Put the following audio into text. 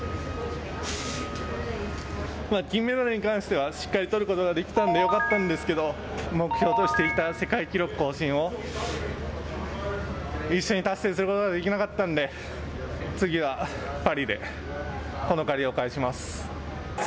金メダルに関してはしっかりとることができたのでよかったんですけど、目標としていた世界記録更新を一緒に達成することができなかったので、次はパリで、この借りを返します。